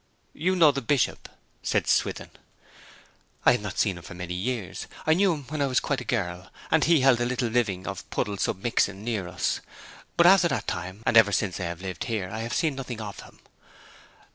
'You know the Bishop?' said Swithin. 'I have not seen him for many years. I knew him when I was quite a girl, and he held the little living of Puddle sub Mixen, near us; but after that time, and ever since I have lived here, I have seen nothing of him.